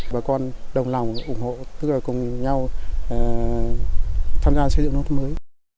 bà con đồng lòng ủng hộ tất cả cùng nhau tham gia xây dựng nông thôn mới